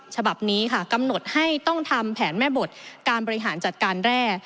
ฉบับนี้ค่ะกำหนดให้ต้องทำแผนแม่บทการบริหารจัดการแร่